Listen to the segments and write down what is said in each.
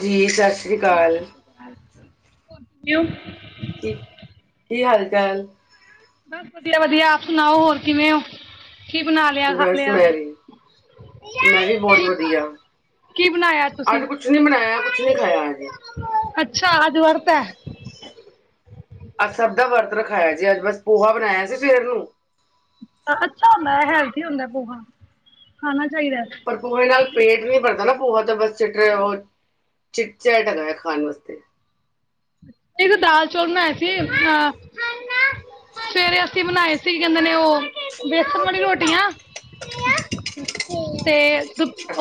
ਜੀ ਸਤਿ ਸ਼੍ਰੀ ਹਾਂਜੀ ਅਕਾਲ। ਸਤਿ ਸ਼੍ਰੀ ਅਕਾਲ ਹੋਰ ਕਿਉਂ। ਕੀ ਕੀ ਹਾਲ ਚਾਲ। ਬਸ ਵਧੀਆ ਵਧੀਆ ਆਪ ਸੁਣਾਓ ਹੋਰ ਕਿਵੇਂ ਹੋ? ਕੀ ਬਣਾ ਲਿਆ-ਖਾ ਬਸ ਲਿਆ ਮੈਂ ਵੀ ਕੀ- ਮੈਂ ਵੀ ਬਹੁਤ ਵਧੀਆ ਕੀ ਬਣਾਇਆ ਅੱਜ ਤੁਸੀਂ ਕੁਛ ਨੀ ਬਣਾਇਆ ਕੁਛ ਨੀ ਖਾਇਆ ਅੱਜ ਅੱਛਾ ਅੱਜ ਵਰਤ ਹੈ। ਅੱਜ ਸਭ ਦਾ ਵਰਤ ਰਖਾਇਆ ਜੇ, ਅੱਜ ਬਸ ਪੋਹਾ ਬਣਾਇਆ ਸੀ ਸਵੇਰ ਨੂੰ। ਅੱਛਾ ਹੈਲਦੀ ਹੁੰਦਾ ਹੈ ਪੋਹਾ ਖਾਣਾ ਚਾਹੀਦਾ। ਪਰ ਪੋਹੇ ਨਾਲ ਪੇਟ ਨਹੀਂ ਭਰਦਾ ਨਾ ਪੋਹਾ ਤਾਂ ਬਸ ਚਿਟਚੈਟ ਹੈਗਾ ਖਾਣ ਵਾਸਤੇ। ਮੈਂ ਵੀ ਦਾਲ ਚੌਲ ਬਣਾਏ ਸੀ। ਆ ਸਵੇਰੇ ਅਸੀਂ ਬਣਾਏ ਸੀ ਕਹਿੰਦੇ ਨੇ ਉਹ ਬੇਸਣ ਵਾਲੀ ਰੋਟੀਆਂ ਤੇ।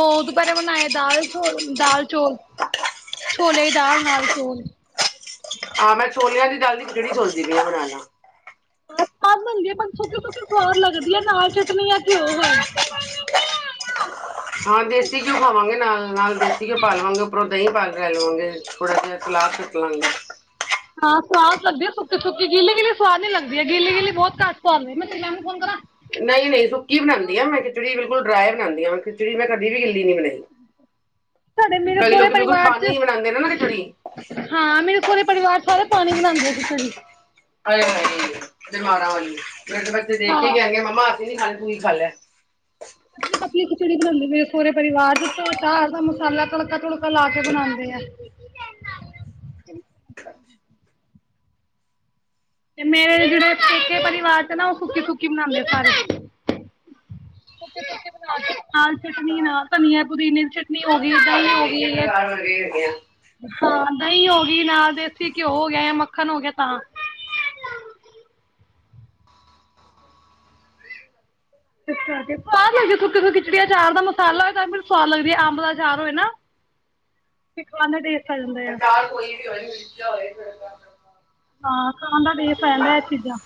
ਓ ਦੁਪਹਿਰੇ ਬਣਾਏ ਸੀ। ਦਾਲ ਚੋਲ, ਦਾਲ ਚੋਲ। ਛੋਲੇ ਦੀ ਦਾਲ ਨਾਲ ਚੋਲ। ਹਾਂ ਮੈਂ ਛੋਲਿਆਂ ਦੀ ਦਾਲ ਦੀ ਖਿਚੜੀ ਸੋਚ ਦੀ ਪਈ ਹਾਂ ਬਣਾਉਣਾ। ਦਾਲ ਸਵਾਦ ਬੰਦੀ ਹੈ। ਸੁੱਕੀ ਸੁੱਕੀ ਸਵਾਦ ਲੱਗਦੀ ਹੈ। ਨਾਲ ਚਟਨੀ ਯਾ ਘਿਓ ਹੈ। ਹਾਂ ਦੇਸੀ ਘਿਓ ਖਾਵਾਂਗੇ ਨਾਲ ਨਾਲ ਰੋਟੀਆ ਪਾ ਲਵਾਂਗੇ। ਉੱਪਰੋਂ ਦਹੀਂ ਲੈ ਲਵਾਂਗੇ, ਥੋੜਾ ਜਿਹਾ ਸਲਾਦ ਕੱਟ ਲਾ ਗੇ। ਹਾਂ ਸਵਾਦ ਲੱਗਦੀ ਹੈ। ਸੁੱਕੀ ਸੁੱਕੀ ਗਿੱਲੀ ਗਿੱਲੀ ਸਵਾਦ ਨਹੀ ਲਗਦੀ। ਗਿੱਲੀ ਗਿੱਲੀ ਬਹੁਤ ਘੱਟ ਸਵਾਦ ਆਉਂਦੀ ਹੈ। ਮੈਂ ਤੇਰੀ ਮੈਮ ਨੂੰ ਫੋਨ ਕਰਾਂ? ਨਹੀਂ ਨਹੀਂ ਸੁੱਕੀ ਬਣਾਉਂਦੀ ਆ ਮੈਂ ਖਿਚੜੀ ਬਿਲਕੁਲ ਡਰਾਈ ਬਣਾਉਂਦੀ ਹੈਂ। ਖਿਚੜੀ ਮੈਂ ਕਦੀ ਵੀ ਗਿੱਲੀ ਨੀ ਬਣਾਈ? ਸਾਡੇ ਮੇਰੇ ਕਈ ਸਹੁਰੇ ਲੋਕੀ ਬਿਲਕੁਲ ਪਰਿਵਾਰ ਚ ਪਾਨੀ ਬਣਾਉਂਦੇ ਨੇ ਨਾ ਖਿਚੜੀ ਹਾਂ ਮੇਰੇ ਸਹੁਰੇ ਪਰਿਵਾਰ ਸਾਰੇ। ਪਾਣੀ ਬਣਾਉਂਦੇ ਆ ਖਿੱਚੜੀ । ਹਾਏ ਹਾਏ ਬਿਮਾਰਾ ਵਾਲੀ। ਸਾਡੇ ਬੱਚੇ ਦੇਖ ਕੇ ਹਾਂ। ਕਹਿਣ ਗੇ ਮੰਮਾ । ਅਸੀਂ ਨਹੀਂ ਖਾਣੀ ਤੂੰ ਹੀ ਖਾ ਲੇ। ਪਤਲੀ ਪਤਲੀ ਖਿਚੜੀ ਬਣਾਉਂਦੇ ਮੇਰੇ ਸੁਹਰੇ ਪਰਿਵਾਰ ਚ ਚਾਰ ਦਾ ਮਸਾਲਾ ਤੜਕਾ ਤੁੜਕਾ ਲਾ ਕੇ ਬਣਾਉਂਦੇ ਆ। ਤੇ ਮੇਰੇ ਜਿਹੜੇ ਪੇਕੇ ਪਰਿਵਾਰ ਤੇ ਨਾ ਉਹ ਸੁੱਕੀ ਸੁੱਕੀ ਬਨਾਉਂਦੇ ਸਾਰੇ। ਬਣਾ ਦਾਲ ਚਟਨੀ ਨਾਲ ਧਨੀਆ ਪੁਦੀਨੇ ਹੋ ਗਈ ਜਿਵੇਂ ਦਹੀਂ ਤੁਹਾਡੇ ਹੋ ਦੇ ਕੇ ਗਈ ਹੈ ਪਰਿਵਾਰ ਵਿਲਗੇ ਹੈਗੇ ਆ। ਹਾਂ ਦਹੀਂ ਹੋ ਗਈ ਨਾਲ ਦੇਸੀ ਘਿਓ ਹੋ ਗਿਆ ਜਾਂ ਮੱਖਣ ਹੋ ਗਿਆ ਤਾਂ ਅੱਛ ਸਦ ਲ ਖਿਚੜੀ ਚਾਰ ਦਾ ਮਸਾਲਾ ਹੋਏ ਸਵਾਦ ਲੱਗਦੀ ਹੈ ।ਅੰਬ ਦਾ ਚਾਰ ਹੋਏ ਲਾ ਚਾਰ ਕੋਈ ਵੀ ਹੋਏ ਨ ਮਿਲਕਿਆ ਹੋਵੇ ਹਾਂ। ਦਾ ਡ ਪੈਦਾ ਚੀਜ਼ਾਂ।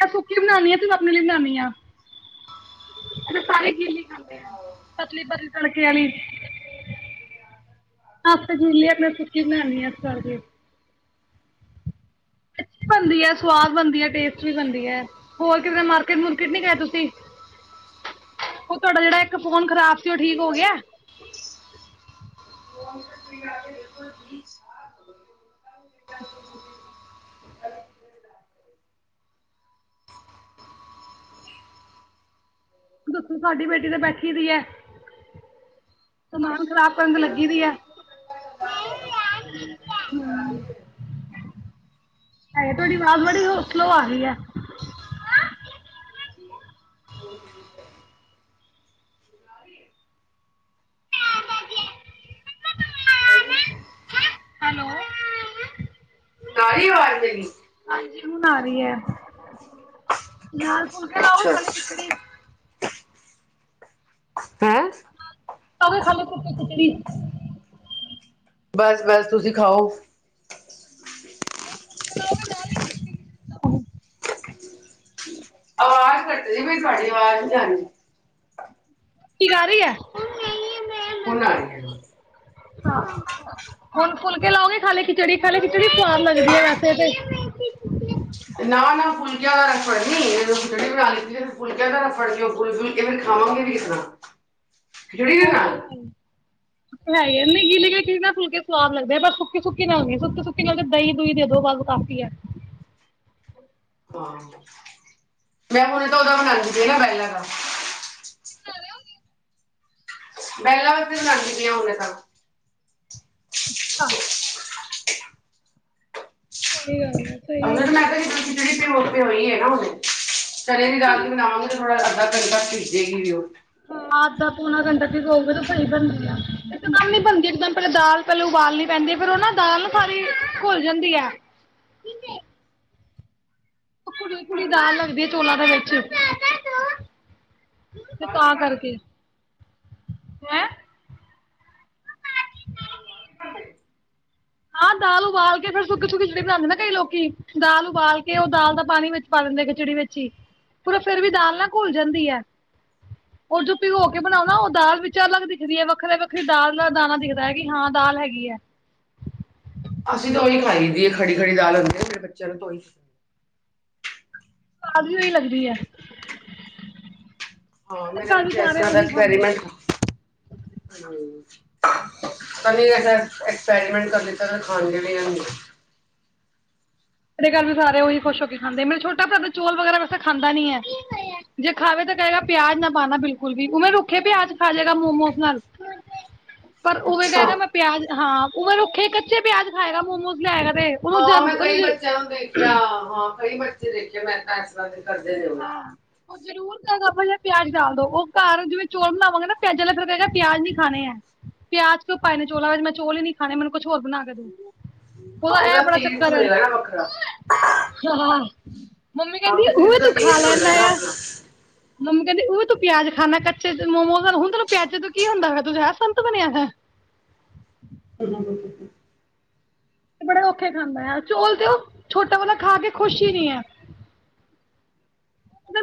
ਮੈਂ ਸੁੱਕੀ ਬਣਾਉਂਦੀ ਆ ਤੇੂੰ ਆਪਣੇ ਲਈ ਬਣਾਦੀ ਆ ਸਲੀ ਖਦੇ ਆ ਪਤਲੀ ਪਤਲੀ ਤੜਕੇ ਵਾਲੀ ਆਪਲੀ ਆਪਣੇ ਸੁੱਕੀ ਬਣਾਾਨਣੀ ਆ ਇਸ ਕਰਕੇ ਬਣਦੀ ਆ ਸਵਾਦ ਬਣਦੀ ਟਸਟ ਵੀ ਬਣਦੀ ਆ ਹੋਰ ਕਿ ਮਾਰਕਿਟਕਟ ਨੀ ਤੁਸੀਂ ਉਹ ਤੁਹਾਡਾ ਜਿਹੜਾ ਇੱਕ ਫੋਨ ਖਰਾਬ ਸੀ ਉਹ ਠੀਕ ਹੋ ਗਿਆ। ਦੱਸੋ ਸਾਡੀ ਬੇਟੀ ਤੇ ਬੈਠੀ ਦੀ ਐ ਸਮਾਨ ਖ਼ਰਾਬ ਕਰਨ ਲੱਗੀ ਦੀ ਐ ਹਮ ਹੈ ਤੁਹਾਡੀ ਆਵਾਜ਼ ਬੜੀ ਸਲੋ ਆ ਗਈ ਹੈ। ਹੈਲੋ। ਹੈਲੋ। ਨਾਲ ਹੀ ਆਵਾਜ਼ ਦੇ ਸੁਣ ਆ ਰਹੀ ਹੈ ਨਾਲ ਫੁਲਕੇ ਲਾਓਗੇ ਅੱਛਾ, ਖਾਲੀ ਖਿਚੜੀ? ਅੱਛਾ। ਹੈ। ਤ ਖਾਲ ਖਿਚੜੀ ਬਸ, ਬਸ ਤੁਸੀਂ ਖਾਓ। [unintelligible] ਸਾਡੀ ਆਵਾਜ਼ ਨਹੀਂ ਜਾਣੀ ਕੀ ਕਰ ਰਹੀ ਹੈ। ਹੁਣ ਆ ਰੈਈ। ਹੁਣ ਫੁਲਕੇ ਲਾਓਗੇ ਖਾਲੀ ਖਿਚੜੀ ਖਾਲੀ ਖਿਚੜੀ ਸਵਾਦ ਲੱਗਦੀ ਹੈ ਵੈਸੇ ਤੇ ਨਾ, ਨਾ ਫੁਲਕਿਆਂ ਹ ਰਫ ਫੜਨੀ ਜ ਤੁਸੀਂ ਰੜੀ ਬਣਾ ਲਿੱਤੀ ਫਿਰ ਫੁਲਕਿਆਂ ਦਾ ਰਫੜ ਕੇ ਫੁਕੇ ਫੁਲਕੇ ਫਿਰ ਖਾਵਾਂਗੇ ਕਿਸ ਸੁਣਾ ਹੋ ਤੇ ਹੈਈ। ਹੈ ਨੀਲੀ ਚੀ ਨਾ ਫੁਲਕੇ ਸਵਾਦ ਲੱਗਦੇ ਪਰ ਸੁੱਕੀ ਸੁੱਕੀ ਨਾਲ ਨਹੀਂ ਸੁੱਕੀ ਸੁੱਕੀ ਨਾਲ ਦਹੀਂ ਦਹੀ ਦੇ ਦੋ ਬਾੱਲ ਕਾਫ਼ੀ ਆ। ਹਾਂ ਮੈਂ ਹੁਣ ਤਾਂ ਦਾਂ ਬਣਾਉਦੀ ਨਾ ਬਹਿਲਾਂ ਦਾ [unintelligible] ਮਹਿਲਾਂ ਵਾਸਤੇ ਸੁਣਾਉਦੀ ਪਆਂ ਹੁਨੇ ਤਾਂ [unintelligible] ਸਹੀ ਗੱਲ ਆ। ਅੰਗੜ ਨਾ ਕ ਜਿਹੜੀ ਤੇ ਮੁੋੇ ਹੋਈ ਹੈ ਨਾ ਉਹਦੇ ਚੜ ਵੀ ਦਾਲ ਕੇ ਬਣਾਾਂਗੇ ਤੇ ਥੋੜਾ [unintelligible] ਪੂਣਾ ਗ ਸਈ ਬਣਦੀ ਆ ਇਕਦਮ ਨੀ ਬਣਦੀ ਇਕਮ ਪਹਿਲੇ ਦਾਲ ਪਹਿਲੇ ਉਬਾਲਣੀ ਪੈਂਦੀ ਫਿਰ ਉਹ ਨਾ ਦਾਲ ਸਾਰੀ ਘੁਲ ਜਾਂਦੀ ਆ ਘੜੀ, ਘੁੜੀ ਦਾਲ ਲੱਗਦੀ ਹੈ ਚੋਲਾਂ ਦੇ ਵਿੱਚ ਤੇ ਤਾਂ ਕਰਕੇ ਹੈ। [unintelligible] ਹਾਂ ਦਾਲ ਉਬਾਲ ਕੇ ਫਿਰ ਸੁੱਕੀ ਸੁੱਕੀ ਖਿਚੜੀ ਬਣਾਉਂਦੇ ਨਾ ਕਈ ਲੋਕੀ ਦਾਲ ਉਬਾਲ ਕੇ ਉਹ ਦਾਲ ਦਾ ਪਾਣੀ ਵਿੱਚ ਪਾ ਲਿੰਦੇ ਖਿਚੜੀ ਵਿੱਚ ਹੀ ਪਰਿਰ ਫੇਿਰ ਵੀ ਦਾਲ ਨਾ ਘੁਲ ਜਾਂਦੀ ਹੈ ਉਹ ਜੋ ਭਿਓ ਕੇ ਬਣਾਉ ਨਾ ਉਹ ਦਾਲ ਵਿੱਚ ਅਲੱਗ ਦਿਖਦੀ ਹੈ ਵੱਖਰੇ ਵੱਖਰੀ ਦਾਲ ਦਾ। ਦਾਣਾ ਦਿਖਦਾ ਹੈ ਕਿ ਹਾਂ ਦਾਲ ਹੈਗੀ ਹੈ ਅਸੀਂ ਤਾਂ ਓਈ ਖਾਈ ਦੀਏ ਖੜੀ- ਖੜੀ ਦਾਲ ਹੁੰਦੀ ਏ। ਮੇਰੇ ਬੱਚਿਆਂ ਨੂੰ ਤੇ ਓਈ ਸੁਵਾਦ ਓਈ ਲੱਗਦੀ ਐ। ਹਾਂ, ਮੇਰੇ ਬੱਚੇ ਏਸ ਤਰਾਂ ਦਾ ਹੈ ਐਕਸਪੈਰੀਮੇਂਟ- ਤਾਂ ਨੀ ਐਕਸਪੈਰੀਮੈਂਟ ਕਰ ਦਿੱਤਾ ਨਾ ਖਾਂਦੇ ਵੀ ਰੇਣਗੇ । ਸਾਡੇ ਘਰ ਵੀ ਸਾਰੇ ਓਹੀ ਖੁਸ਼ ਹੋ ਕੇ ਖਾਂਦੇ ।ਔ ਮੇਰਾ ਛੋਟਾ ਭਰਾ ਦਾ ਚੋਲ ਵਗੈਰਾ ਵੈਸਾ ਖਾਂਦਾ ਨੀ ਐ। ਜੇ ਖਾਵੇ ਤਾਂ ਕਹੇਗਾ ਪਿਆਜ ਨਾ ਪਾਣਾ ਬਿਲਕੁਲ ਵੀ ਉਵੇੈਂ ਰੁੱਖੇ ਪਿਆਜ ਖਾ ਜਾਏਗਾ ਮੋਮੋਸ ਨਾਲ। ਪਰ ਉਵੇ ਅੱਛਾ ਕਹੈਗਾ। ਮੈਂ ਪਿਆਜ, ਹਾਂ- ਉ ਰੁੱਖੇ ਕੱਚੇ ਪਿਆਜ ਖਾਏਗਾ ਮੋਮੋਸ ਲਿਆਗਾ। ਉਨੂੰ ਜਰ ਉਨੂੰ- ਇਕ ਦਮ ਵੇਖਿਆ। ਹਾਂ, ਕਈ ਬੱਚੇ ਦੇਖੇ ਮੈਂ ਤਾਂ ਏਸ ਤਰਾਂ ਦੇ ਕਰਦੇ ਨੇ ਉਹ ਹਾਂ, ਓ ਜ਼ਰੂਰ ਕਰੇਗਾ। ਪੈਲੇ ਪਿਆਜ ਡਾਲ ਦੋ ।ਉਹ ਘਰ ਜਿਵੇਂ ਚੋਲ ਬਣਾਵਾਂਗੇ ਨਾ ਪਿਆਜ਼ਾਂ ਲੇ ਫੇਰ ਓ ਕਏਗਾ ਪਿਆਜ ਨੀ ਖਾਣੇ ਐ ।ਪਿਆਜ ਕਿਉਂ ਪਾਏ ਨੇ ਚੋਲਾਂ 'ਚ ਮੈਂ ਚੋਲ ਈ ਨੀ ਖਾਣੇ ।ਮੈਨੂੰ ਕੁਛ ਹੋਰ ਬਣਾ ਕੇ ਦੋ। ਹਾਂ ਉਦਾ ਇਹ ਉਹਦਾ ਬੜਾ ਟੇਸਟ ਚੱਕਰ ਹੋਏਗਾ ਰੇਂਦਾ ਨਾ ਵੱਖਰਾ ਆ। ਮੰਮੀ ਹਾਂ, ਕਹਿੰਦੀ ਕਿਸੇ ਉਹ -ਕਿਸ ਵੀ ਦੇ- ਤੂੰ ਖਾ ਟੈਸਟ ਲੈਂਦਾ ਹੋਂਦ ਨਾ ਆ। ਆਪਣਾ ਮੰਮੀ ਕਹਿੰਦੀ ਓਏ ਤੂੰ ਪਿਆਜ ਖਾਣਾ ਕੱਚੇ ਮੋਮੋ'ਚ। ਹੁਣ ਪਿਆਜ ਤੋਂ ਕੀ ਹੁੰਦਾ ਹੈਗਾ। ਤੂੰ ਸੰਤ ਬਣਿਆ। [inaudible] ਤੇ ਬੜੇ ਔਖੇ ਖਾਂਦਾ ਐ। ਚੋਲ ਤੇ ਓ ਛੋਟਾ ਵਲਾ ਖਾ ਕੇ ਖੁਸ਼ ਈ ਨੀ ਐ।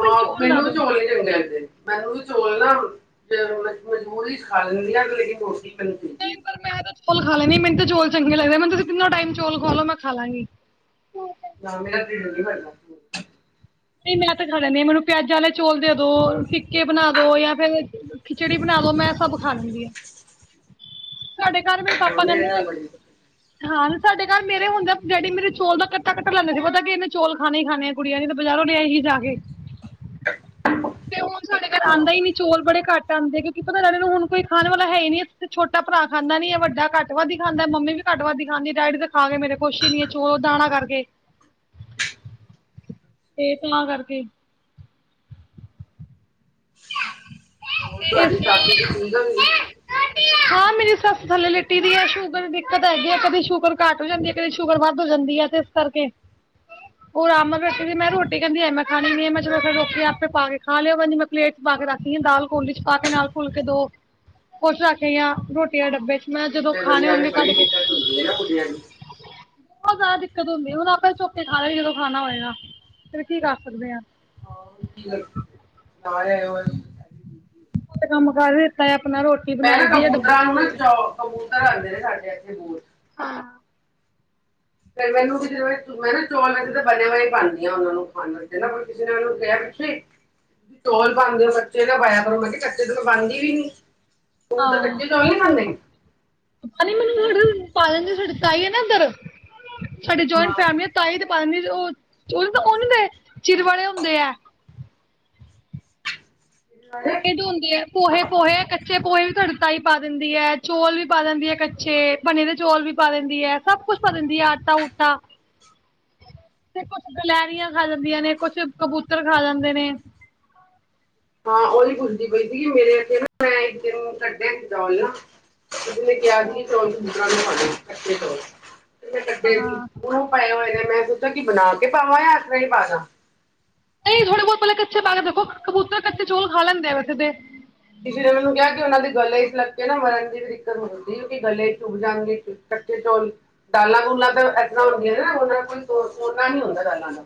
ਹਾਂ, ਮੈਨੂੰ ਵੀ ਚੋਲ ਨੀ ਚੰਗ ਲਗਦੇ। ਮੈਨੂੰ ਵੀ ਚੌਲ ਨਾ ਮਜਬੂਰੀ'ਚ ਖਾ ਲੈਂਦੀ ਆ। ਲੇਕਿਨ ਰੋਟੀ- ਮੈਨੂੰ ਚਾਹੀਦੀ ਨਈ ਪਰ, ਮੈਂ ਤਾਂ ਚੋਲ ਖਾ ਲੈਣੀ। ਮੈਨੂੰ ਚੋਲ ਚੰਗੇ ਲਗਦੇ ।ਮੈਨੂੰ ਤੁਸੀਂ ਤਿਨੋਂ ਟੈਮ ਚੋਲ ਖਵਾ ਲਓ, ਮੈਂ ਖਾ ਲਾਂਗੀ। ਨਾ ਮੇਰਾ ਟਿਡ ਭਰਨਾ। ਨਈ ਮੈਂ ਤੇ ਖਾ ਲੈਂਦੀ ਆ। ਮੈਨੂੰ ਪਿਆਜਾ ਅਲੇ ਚੋਲ ਦੇ ਦੋ, ਫਿੱਕੇ ਬਣਾ ਦੋ, ਜਾਂ ਫੇਰ ਖਿਚੜੀ ਬਣਾ ਦੋ, ਮੈਂ ਸਭ ਖਾ ਲੈਂਦੀ ਆ ।ਸਾਡੇ- ਕਰ ਮੇਰੇ ਹਾਂ, ਪਾਪਾ ਕਹਿੰਦੇ। ਨਾਲ ਬੜੀ ਦਿੱਕਤ। ਹਾਂ, ਸਾਡੇ ਘਰ ਮੇਰੇ ਹੁੰਦੇ ਆ ਡੈਡੀ ਮੇਰੇ ਚੋਲ ਦਾ ਕੱਟਾ- ਕੱਟਾ ਲੈਂਦੇ ਸੀ ।ਪਤਾ ਕਿ ਇਨੇ ਚੌਲ ਖਾਣੇ ਈ ਖਾਣੇ ਆ। ਕੁੜੀਆਂ ਨੇ ਤਾਂ- ਬਜ਼ਾਰੋਂ ਲਿਆਗੀ ਜਾ ਕੇ। ਤੇ ਹੁਣ ਸਾਡੇ ਘਰ ਹਾਂ ਆਂਦਾ ਈ ਨੀ ।ਚੋਲ ਬੜੇ ਘੱਟ ਆਂਦੇ। ਕਿਉਂਕਿ- ਕੀ ਪਤਾ ਡੈਡੀ ਨੂੰ ਹੁਣ ਕੋਈ ਖਾਣ ਵਾਲਾ ਹੈ ਈਨੀ। ਛੋਟਾ ਭਰਾ ਖਾਂਦਾ ਨੀ ਏ ਵੱਡਾ ਘੱਟ ਵੱਧ ਈ ਖਾਂਦਾ। ਮੰਮੀ ਵੀ ਘੱਟ ਵੱਧ ਈ ਖਾਂਦੀ । ਡੈਡੀ ਤੇ ਖਾ ਕੇ ਮੇਰੇ ਖੁਸ਼ ਈ ਨੀ ਏ । ਦੋ ਦਾੜਾ ਕਰਕੇ ਏਕ ਕਲਾਂ ਕਰਕੇ ਹੋਰ ਤੁਹਾਡੀ ਸਾਸੂ ਦੀ ਠੀਕ ਆ ਵੀ ਇਸ- ਹਾਂ, ਮੇਰੀ ਸੱਸ ਥੱਲੇ ਲੇਟੀ ਦੀ ਏ ।ਸ਼ੂਗਰ ਦਿੱਕਤ ਹੈਗੀ ਏ। ਕਦੇ ਸ਼ੂਗਰ ਘੱਟ ਹੋ ਜਾਂਦੀ ਏ, ਕਦੀ ਸ਼ੂਗਰ ਵੱਧ ਹੋ ਜਾਂਦੀ ਏ। ਤੇ ਇਸ ਕਰਕੇ ਓ ਆਰਾਮ ਨਾਲ ਬੈਠੀ ਵੀ ਮੈਂ ਰੋਟੀ ਕੇਂਦੀ ਅਜੇ ਮੈਂ ਖਾਣੀ ਨੀ ਮੈਂ ਚਲੋ ਫੇਰ ਰੁਕ ਕੇ, ਆਪੇ ਪਾ ਕੇ ਖਾ ਲਿਓ ।ਕਦੀ ਕੋਈ ਨੀ- ਪਲੇਟ'ਚ ਪਾ ਕੇ ਰੱਖ ਤੀ ਏ। ਦਾਲ ਕੋਲੀ' ਚ ਪਾ ਕੇ ਨਾਲ ਫੁਲਕੇ ਦੋ ।ਕੁਛ ਰੱਖ ਆਈ ਆਭ ਰੋਟੀਆਂ ਡੱਬੇ ਚ' ਮੈਂ ਜਦੋਂ ਬੁੱਢੇ ਖਾਣੇ ਬੰਦਿਆਂ ਹੋਣਗੇ ਦੀ ਕੱਢ ਬੜੀ ਕੇ ਦਿੱਕਤ ਹੁੰਦੀ ਏ ਨਾ ।ਬੁੱਢਿਆਂ ਦੀ- ਬੋਤ ਜ਼ਾਦਾ ਦਿੱਕਤ ਹੁੰਦੀ ਹੁਣ ਆਪਾਂ ਚੁੱਕ ਕੇ ਖਾਲੇਗੀ ਜਦੋਂ ਖਾਣਾ ਹੋਏਗਾ। ਫਿਰ ਕੀ ਕਰ ਸਕਦੇ ਆਂ। ਹਾਂ ਕੀ ਕਰ [unintelligible] ਕੰਮ ਕਰ ਦਿੱਤਾ। ਆਪਣਾ ਰੋਟੀ ਮੈਂ ਨਾ ਬਣਾਈ ਦੀ ਹੈ ਡੱਬੇ ਕਬੂਤਰਾਂ ਨੂੰ ਨਾ ਪਈ ਚ ਕਬੂਤਰ ਆਉਂਦੇ ਨੇ ਸਾਡੇ ਇੱਥੇ ਬੋਰ ਹਾਂ ਫੇਰ ਮੈਨੂੰ ਵੀ ਜਿਵੇ ਮੈਂ ਨਾ ਚੌਲ ਮੈਂ ਤਾਂ ਬਣਿਆ ਬ ਪਾਉਂਦੀ ਹ ਉਹਨਾਂ ਨੂੰ ਖਾਣ ਤੇ ਨਾ ਕਿਸੇ ਨੇ ਉਹਨ ਨੂੰ ਕਿਹਾ ਪਿੱਛੇ ਚੌਲ ਪਾਉਂਦੇ ਹੋ ਕੱਚੇ ਦਾ ਬਾਇਆ ਪਰੋ ਮੈਂ ਕਿਹਾ ਕੱਚੇ ਤੇ ਮੈਂ ਬਣਦੀ ਵੀ ਨ ਉਹ ਫੇਰ ਹਾਂ ਕੱਚੇ ਚੌਲ ਨੀ ਖਾਂਦੇ। ਪਾਲਣ ਦੀ ਸਾਡੇ ਤਾਈ ਹੈ ਨਾ ਇੱਧਰ ਸਾਡੀ ਹਾਂ। ਜਆਇੰਟ ਫੈਮਲੀ ਤਾਂਹੀ ਪਤਾ ਨੀ ਉਹ ਉਹਨ ਉਹਨ ਦੇ ਚਿਰਵੜੇ ਹੁੰਦੇ ਹੈ ਪੋਹੇ ਧੋਂਦੇ ਆ ਪੋਹੇ ਪੋਹੇ ਕੱਚੇ ਪੋਹੇ ਵੀ ਸਾਡੀ ਤਾਈ ਪਾ ਦਿੰਦੀ ਹੈ ਚੌਲ ਵੀ ਪਾ ਦਿੰਦੀ ਹੈ ਕੱਚੇ ਭਣੇ ਦੇ ਚੌਲ ਵੀ ਪਾ ਦਿੰਦੀ ਹੈ ਸਭ ਕੁਛ ਪਾ ਦਿੰਦੀ ਆ ਆਟਾ ਊਟਾ ਤੇ ਗਲਹਿਰੀਆਂ ਖਾ ਜਾਂਦੀਆਂ ਨੇ ਕੁਛ ਕਬੂਤਰ ਖਾ ਜਾਂਦੇ ਨੇ। ਹਾਂ ਉਹ ਨ ਪੁੁੱਦੀ ਪਈ ਸੀਗੀ ਮੇਰੇ ਮੈਂ ਕੱਢਿਆ ਸੀ ਚੌਲ ਉਹ ਕਿਹਾ ਸੀ ਚੌਲ ਦੂ ਕੇ ਚੌਲ ਕੱਡੇ ਸੀ ਹਾਂ ਗਣ ਪਏ ਹੋਏ ਨੇ ਮੈਂ ਸੋਚਾ ਕੀ ਬਣਾ ਕੇ ਪਾਵਾਂ ਜਾਂ ਇਸ ਤਰ੍ਹਾਂ ਹੀ ਪਾ ਦਾ। ਨਹੀਂ ਥੋੜੇ ਬਹੁਤ ਪਹਿਲੇ ਕੱਚੇ ਪਾ ਕੇ ਦੇਖੋ ਕਬੂਤਰ ਕੱਚੇ ਚੋਲ ਖਾ ਲੈਂਦੇ ਵੈਸੇ ਤੇ ਕਿਸ ਨੇ ਮੈਨੂੰ ਕਿਹਾ ਕਿ ਉਹਨਾਂ ਦੇ ਗਲੇ ਇਸ ਲੱਕੇ ਨਾ ਮਰਨ ਦੀ ਵੀ ਦਿੱਕਤ ਹੋ ਜਾਂਦੀ ਹੈ ਕਿਉਂਕਿ ਗੱਲ ਚੁੱਗ ਜਾਂਣ ਦੀ ਕੱਚੇ ਚੋਲ ਦਾਲਾਂ ਬੂਲਾਂ ਤਾਂ ਇਸ ਤਰ੍ਹਾਂ ਹੁੰਦੀਆਂ ਨੇ ਨਾ ਉਹਨਾਂ ਨਾਲ ਕੋਈ ਤ ਤੋਰਨਾ ਨਹੀਂ ਹੁੰਦਾ ਗਾਲਾਂ ਦਾ।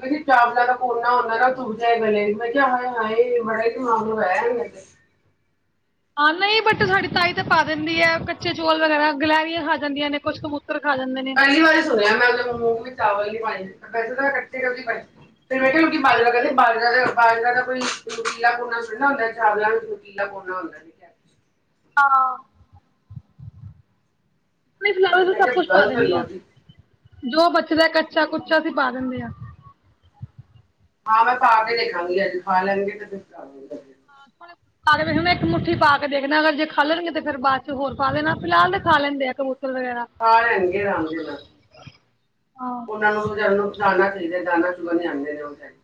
ਕਹਿੰ ਜਾਾਬਲਾ ਤਾਂ ਕੋਨਾ ਹਦਾ ਨਾ ਦੁਬ ਜਾ ਗਲੇ ਮੈਂ ਕਿਹਾ ਹ ਹਾ ਬੜਾ ਹੀ ਮਲ ਆਇਆ ਹਾਂ ਨਹੀਂ ਬਟ ਸਾਡੀ ਤਾਈ ਤਾਂ ਪਾ ਦਿੰਦੀ ਹੈ ਕੱਚੇ ਚੌਲ ਵਗੈਰਾ ਗਲਹਿਰੀਆਂ ਖਾ ਜਾਂਦੀਆਂ ਨੇ ਕੁਛ ਕਬੂਤਰ ਖਾ ਜਾਂਦੇ ਨੇ। ਪਹਿਲੀ ਵਾਰੀ ਸੁਣਿਆ ਮੈਂ ਉਹ ਮਮੋ ਵੀ ਚਾਵਲ [unintelligible] ਫਿਰ ਮੈਂ ਕਿਹਾ ਲੋਕੀ ਬਾਜਰਾ ਕਹਿੰਦੇ ਬਾਜਰਾ ਲਿਆਓ। ਬਾਜਰਾ ਦਾ ਕੋਈ ਨਕੀਲਾ ਕੋਨਾ ਥੋੜੀ ਨਾ ਹੁੰਦਾ ਚਾਵਲਾਂ ਵਿੱਚ ਨਕੀਲਾ ਕੋਨਾ ਹੁੰਦਾ। ਹਾਂ। [unintelligible] ਮੈਂ ਸਭ ਕਿਹਾ ਕੁਛ ਪਾ ਗਲਤ ਦਿੰਦੀ ਹਾਂ ਲੋਜਿਕ ਜੋ ਬਚਦਾ ਕੱਚਾ ਕੁੱਚਾ ਅਸੀਂ ਪਾ ਦਿੰਦੇ ਹਾਂ। ਹਾਂ ਮੈਂ ਪਾ ਕੇ ਦੇਖਾਂਗੀ ਅੱਜ ਖਾ ਲੈਗੇ ਤੇ ਫਿਰਾਂਗਾ ਹਾ ਇੱਕ ਮੁੱਠੀ ਪਾ ਕੇ ਦੇਖਣਾ ਅਗਰ ਜੇ ਖਾ ਲਣਗੇ ਤੇ ਫੇਰ ਬਾਅਦ ਚ ਹੋਰ ਪਾ ਦੇਣਾ ਫਿਲਹਾਲ ਤੇ ਖਾ ਲੈਂਦੇ ਆ ਵਗੈਰਾ। ਖਾ ਲੈਗੇ ਰਾਂਗੇ ਦਾ ਹਾਂ। ਉਹਨਾਂ ਨੂੰ ਵਿਚਾਰਿਆ ਨੂੰ ਜਾਨਾ ਚਾਹੀਦਾ [unintelligible]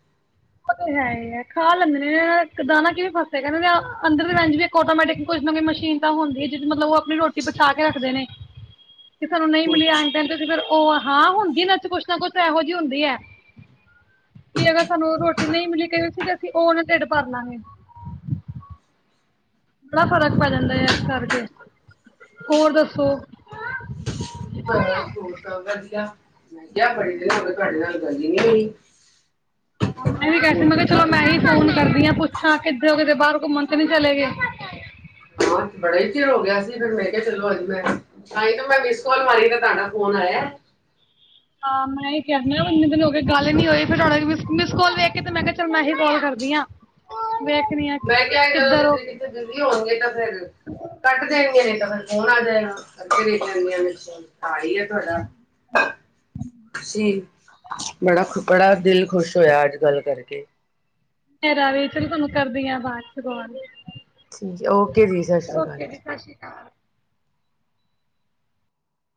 ਉਹ ਤਾਂ ਹੈ ਹੀ ਹੈ ਖਾ ਲੈਂਦੇ ਨੇ ਦਾਣਾ ਕਿਵੇ ਫਸੇ ਕਹਿੰਦੇ ਅੰਦਰ ਦੇ ਰ ਇੱਕ ਟੋਮੈਟਿਕ ਕੁਝ ਨਾ ਕੋਈ ਮਸ਼ੀਨ ਤਾਂ ਹੁੰਦੀ ਹੈ ਜਿ ਮਤਲਬ ਉਹ ਆਪਣੀ ਰੋਟੀ ਬਚਾ ਕੇ ਰੱਖਦੇ ਨੇ। ਕਿਸ ਸਾਨੂੰ ਨਹੀਂ ਹੋਰ ਮਿਲੀ ਕੀ। ਆਦੇ ਆਦੇ ਘਰੋਂ। ਉਹ ਹਾਂ ਹੁੰਦੀ ਇਹ ਚ ਕੁਛ ਨਾ ਕੁਛ ਇਹੋ ਜਿਹੀ ਹੁੰਦੀ ਹੈ ਵੀ ਅਗ ਸਾਨੂੰ ਰੋਟੀ ਨਹੀਂ ਮਿਲੀ ਕਈ ਸੀ ਅਸੀਂ ਉਹਨ ਢਿਡ ਭਰ ਲਵਾਂਗੇ। ਬੜਾ ਫ਼ਰਕ ਪੈ ਜਾਂਦਾ ਹੈ ਇਸ ਕਰਕੇ ਹੋਰ ਦੱਸੋ ਬਸ ਹੋਰ ਸਭ ਵਧੀਆ। [inaudible] [inaudible] ਹਾਂ ਮੈਂ ਅੱਜ ਵੀ ਕ ਕਿਹਾ ਸੀ, ਫੋਨ ਮੈਂ ਕਿਹਾ ਕੀਤਾ ਚਲੋ ਮੈਂ ਫਿਰ ਹੀ ਫੋਨ ਕਰਦੀ ਹਾਂ ਪੁੱਛਾਂ ਕਿੱਦਰ ਕਿਤੇ ਬਾਹਰ ਘੁੰਮਣ [inaudible] ਕਿ ਨਹੀਂ ਚਲੇ ਗਿਏ। [inaudible] ਹੋਰ ਬੜਾ ਹੀ ਚਿਰ ਹੋ ਗਿਆ ਸੀ, ਫਿਰ ਮੈਂ ਕਿਹਾ ਚਲੋ ਅਜ ਮੈਂ ਤਾਂਹੀ ਤੇ ਮੈਂ ਮਿਸ ਕਾਲ ਮਾਰੀ ਤੇ ਤੁਹਾਡਾ ਫੋਨ ਆਇਆ। ਹਾਂ ਮੈਂ ਇਹ ਕਹਿ ਇੰਨੇ ਦਿਨ ਹੋ ਗੱਲ ਨੀ ਹੋਈ, ਫੇਰ ਮਿਸ ਕੋਲ ਵੇਖ ਕੇ ਤੇ ਮੈਂ ਕਿਹਾ ਚੱਲ ਮ ਮੈਂ ਕਿਹਾ, ਜਦੋਂ ਕਿੱਧਰ ਹੋ ਜਿੱਦਰ ਕਿੱਥੇ ਬਿਜ਼ਲੀ ਹੋਣਗੇ ਤਾਂ ਫੇਰ ਕੱਟ ਦੇਣਗੇ। ਫਿਰ ਫੋਣ ਆ ਜਾਏਗਾ ਕਰਕੇ ਦੇਖ ਲੈਣ ਗਿਆ। ਨਾ ਕੀ ਐ ਤੁਹਾਡਾ? ਤੁਸੀਂ ਬੜਾੁ ਬੜਾ ਦਿਲ ਖ਼ੁਸ਼ ਹੋਇਆ ਅੱਜ ਗੱਲ ਕਰਕੇ ਮੇਰਾ ਵੀ ਚਲੋ ਤੁਹਾਨੂੰ ਕਰਦੀ ਆ, ਬਾਅਦ ਚ ਕਾਲ ਠੀਕ ਹੈ, ਓਕੇ ਜੀ ਸਤਿ ਸ਼੍ਰੀ ਅਕਾਲ ਜੀ।